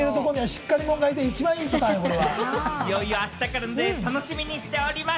いよいよあしたからですね、楽しみにしております。